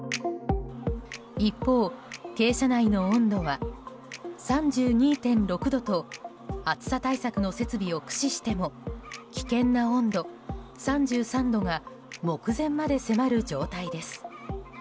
一方、鶏舎内の温度は３２．６度と暑さ対策の設備を駆使しても危険な温度３３度が目前まで迫る状態です。